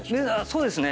そうですね。